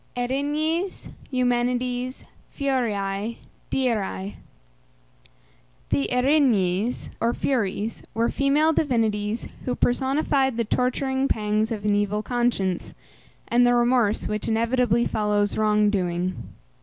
ERINYES, EUMENIDES (FURIÆ, DIRÆ). The Erinyes or Furies were female divinities who personified the torturing pangs of an evil conscience, and the remorse which inevitably follows wrong doing.